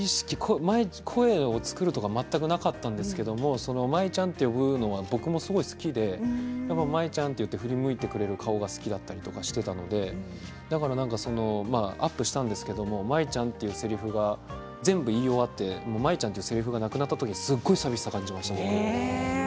声を作るとか全くなかったんですけど舞ちゃんって呼ぶのは僕もすごく好きで舞ちゃんと呼んで振り向いてくれる顔が好きだったりしていたのでアップしたんですけれども舞ちゃんというせりふは全部言い終わって舞ちゃんというせりふがなくなった時すごく寂しさを感じました。